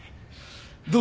どう？